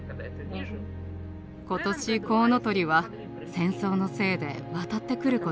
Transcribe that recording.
今年コウノトリは戦争のせいで渡ってくることができませんでした。